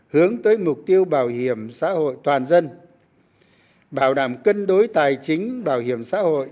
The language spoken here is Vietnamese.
hướng tới mục tiêu bảo hiểm xã hội toàn dân bảo đảm cân đối tài chính bảo hiểm xã hội